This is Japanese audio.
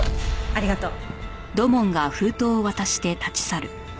ありがとう。